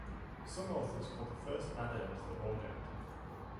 Some authors call the first addend the "augend".